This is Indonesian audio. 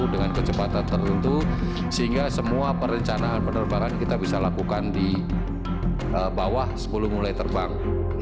dengan kecepatan tertentu sehingga semua perencanaan penerbangan kita bisa lakukan di bawah sebelum mulai terbang